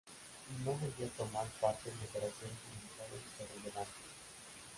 No volvió a tomar parte en operaciones militares de relevancia.